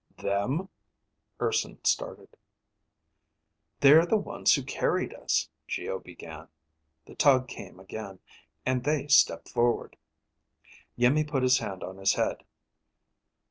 "Them ..." Urson started. "They're the ones who carried us ..." Geo began. The tug came again, and they stepped forward. Iimmi put his hand on his head.